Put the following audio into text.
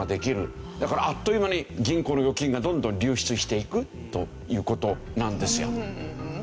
だからあっという間に銀行の預金がどんどん流出していくという事なんですよ。